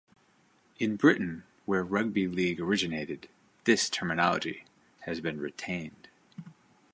In Britain, where rugby league originated, this terminology has been retained.